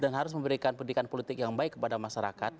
dan harus memberikan pendidikan politik yang baik kepada masyarakat